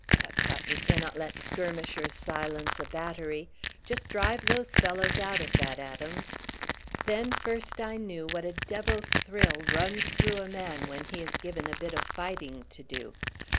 Tut, tut, we cannot let skirmishers silence a battery! Just drive those fellows out of that, Adams." Then first I knew what a devil's thrill runs through a man when he is given a bit of fighting to do.